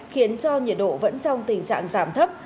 khiến cho nhiệt độ vẫn trong tình trạng giảm thấp